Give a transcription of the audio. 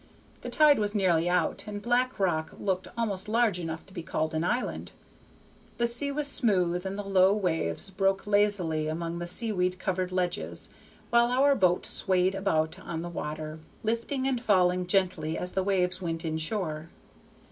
The tide was nearly out, and Black Rock looked almost large enough to be called an island. The sea was smooth and the low waves broke lazily among the seaweed covered ledges, while our boat swayed about on the water, lifting and falling gently as the waves went in shore.